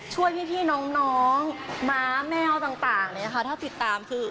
ช่วยพี่น้องม้าแมวต่างถ้าติดตามคือ